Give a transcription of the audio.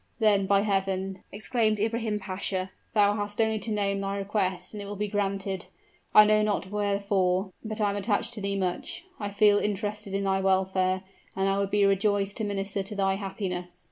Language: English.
"Then, by Heaven!" exclaimed Ibrahim Pasha, "thou hast only to name thy request, and it will be granted. I know not wherefore, but I am attached to thee much. I feel interested in thy welfare, and I would be rejoiced to minister to thy happiness."